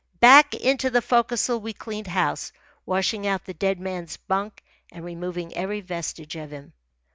Back into the forecastle we cleaned house, washing out the dead man's bunk and removing every vestige of him.